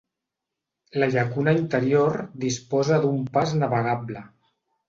La llacuna interior disposa d'un pas navegable.